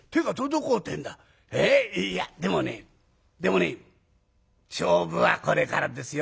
いやでもねでもね勝負はこれからですよ。